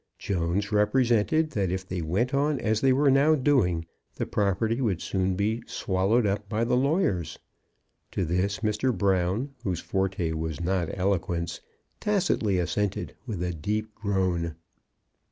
Jones represented that if they went on as they were now doing, the property would soon be swallowed up by the lawyers. To this Mr. Brown, whose forte was not eloquence, tacitly assented with a deep groan.